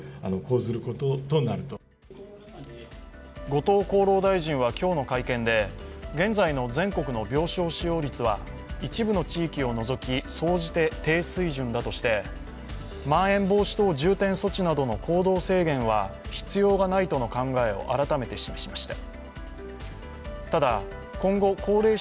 後藤厚労大臣は今日の会見で現在の全国の病床使用率は一部の地域を除き、総じて低水準だとしてまん延防止等重点措置などの行動制限は必要がないとの考えを改めて示しました。